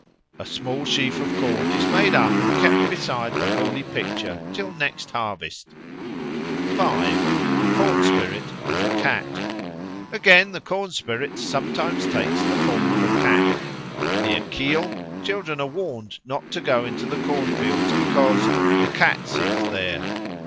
A small sheaf of corn is made up and kept beside the holy picture till next harvest. 5. The Corn spirit as a Cat AGAIN, the corn spirit sometimes takes the form of a cat. Near Kiel children are warned not to go into the corn fields because "the Cat sits there."